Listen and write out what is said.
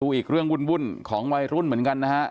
อีกเรื่องวุ่นของวัยรุ่นเหมือนกันนะฮะ